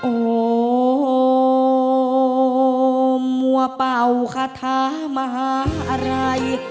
โอ้มมัวเป่าคาทามหาระร่าย